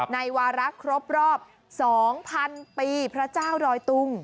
ในวาระครบ๒๐๐๐ปีพระเจ้าด้อยตุ้ง